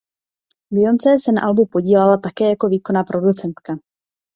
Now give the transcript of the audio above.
Beyoncé se na albu podílela také jako výkonná producentka.